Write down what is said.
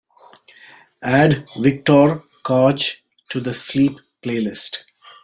Add wiktor coj to the Sleep playlist.